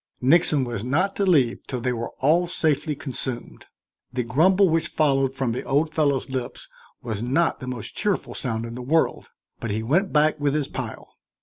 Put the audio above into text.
Nixon was not to leave till they were all safely consumed. The grumble which followed from the old fellow's lips was not the most cheerful sound in the world, but he went back with his pile.